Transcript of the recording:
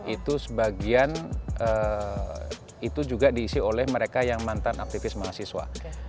itu sebagian itu juga diisi oleh mereka yang mantan aktivis mahasiswa